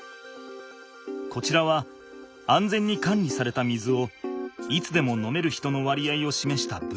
こちらは安全に管理された水をいつでも飲める人の割合をしめした分布図。